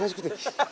ハハハ！